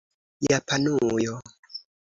Japanujo